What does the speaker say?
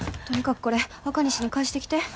とにかくこれあかにしに返してきて。